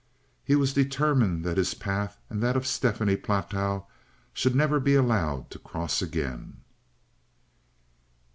He was determined that his path and that of Stephanie Platow should never be allowed to cross again.